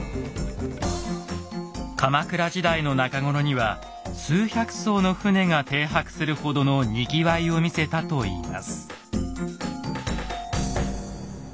鎌倉時代の中頃には数百艘の船が停泊するほどのにぎわいを見せたといいます。